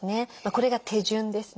これが手順ですね。